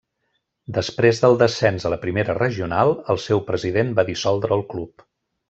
Després del descens a la Primera Regional, el seu president va dissoldre el club.